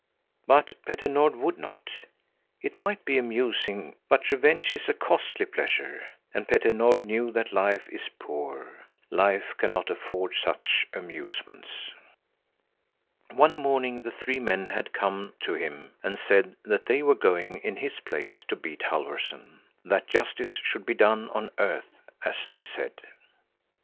But Petter Nord would not. It might be amusing, but revenge is a costly pleasure, and Petter Nord knew that Life is poor. Life cannot afford such amusements. One morning the three men had come to him and said that they were going in his place to beat Halfvorson, "that justice should be done on earth," as they said.